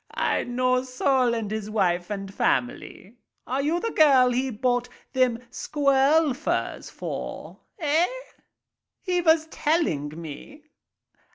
I know Sol and his wife and family. Are you the girl he bought them squirrel furs for, eh? He vas telling me."